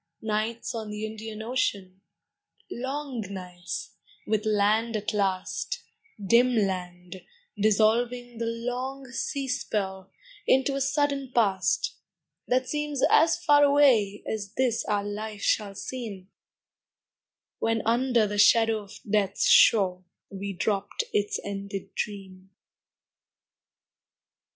Nights on the Indian Ocean, Long nights with land at last, Dim land, dissolving the long sea spell Into a sudden past That seems as far away As this our life shall seem When under the shadow of death's shore We drop its ended dream.